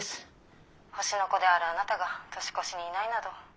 星の子であるあなたが年越しにいないなど。